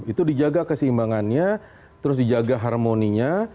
itu dijaga keseimbangannya terus dijaga harmoninya